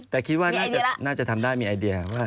แต่คิดว่าน่าจะทำได้มีไอเดียว่า